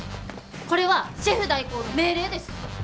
これはシェフ代行の命令です！